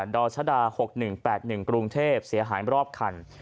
ดรชดา๖๑๘๑กรุงเทพเสียหายรอบคัน